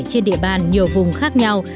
trên địa bàn nhiều vùng khác nhau